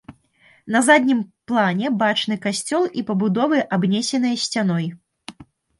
На заднім плане бачны касцёл і пабудовы, абнесеныя сцяной.